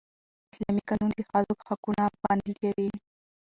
اسلامي قانون د ښځو حقونه خوندي کوي